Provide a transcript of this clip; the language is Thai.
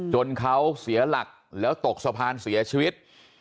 จนเขาเสียหลักแล้วตกสะพานเสียชีวิต